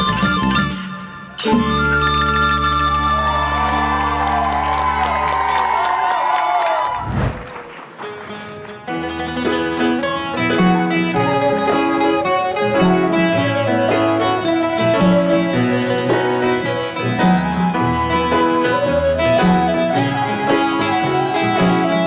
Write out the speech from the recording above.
กลับมาที่สุดท้าย